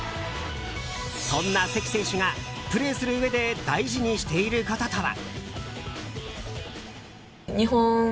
そんな関選手がプレーするうえで大事にしていることとは？